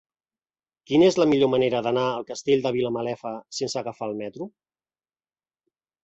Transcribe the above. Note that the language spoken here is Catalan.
Quina és la millor manera d'anar al Castell de Vilamalefa sense agafar el metro?